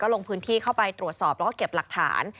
ลงพื้นที่เข้าไปตรวจสอบแล้วก็เก็บหลักฐาน